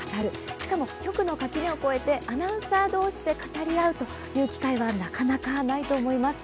しかも、局の垣根を越えてアナウンサー同士で語り合うという機会はなかなかないと思います。